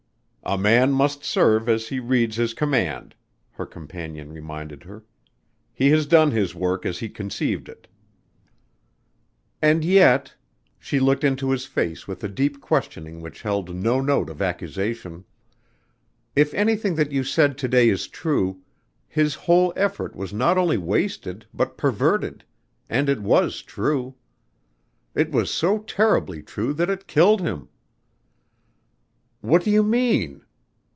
"A man must serve as he reads his command," her companion reminded her. "He has done his work as he conceived it." "And yet " she looked into his face with a deep questioning which held no note of accusation "if anything that you said to day is true, his whole effort was not only wasted but perverted, and it was true. It was so terribly true that it killed him!" "What do you mean?"